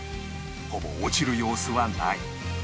ほぼ落ちる様子はない